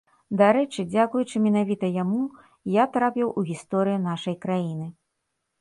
Дарэчы, дзякуючы менавіта яму, я трапіў у гісторыю нашай краіны.